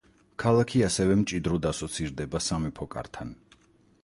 ქალაქი ასევე მჭიდროდ ასოცირდება სამეფო კართან.